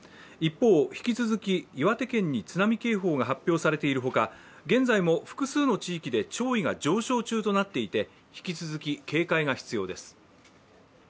一方、引き続き岩手県に津波警報が発表されている他、現在も複数の地域で潮位が上昇中となっていて引き続き警戒が必要です。